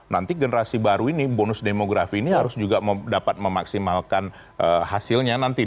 nanti generasi baru ini bonus demografi ini harus juga dapat memaksimalkan hasilnya nanti